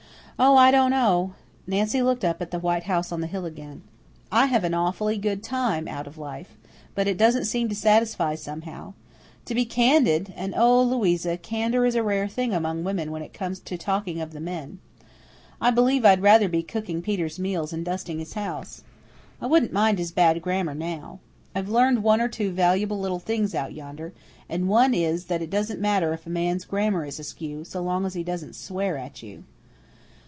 "Oh, I don't know." Nancy looked up at the white house on the hill again. "I have an awfully good time out of life, but it doesn't seem to satisfy, somehow. To be candid and oh, Louisa, candour is a rare thing among women when it comes to talking of the men I believe I'd rather be cooking Peter's meals and dusting his house. I wouldn't mind his bad grammar now. I've learned one or two valuable little things out yonder, and one is that it doesn't matter if a man's grammar is askew, so long as he doesn't swear at you.